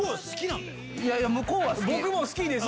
いやいや向こうは好きです。